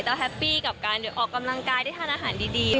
แฮปปี้กับการออกกำลังกายได้ทานอาหารดี